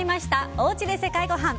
おうちで世界ごはん。